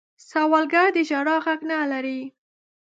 سوالګر د ژړا غږ نه لري